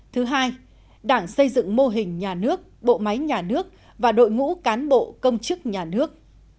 thứ hai đảng xây dựng mô hình nhà nước bộ máy nhà nước và đội ngũ cán bộ công chức nhà nước